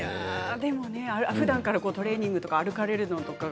でもふだんからトレーニングとか歩かれるのとか。